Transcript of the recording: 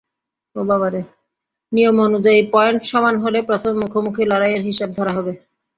নিয়ম অনুযায়ী পয়েন্ট সমান হলে প্রথমে মুখোমুখি লড়াইয়ের হিসাব ধরা হবে।